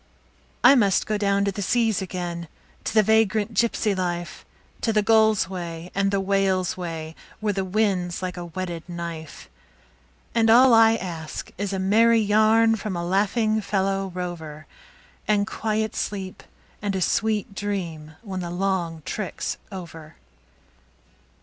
I must go down to the seas again, to the vagrant gypsy life, To the gull's way and the whale's way, where the wind's like a whetted knife; And all I ask is a merry yarn from a laughing fellow rover, And quiet sleep and a sweet dream when the long trick's over.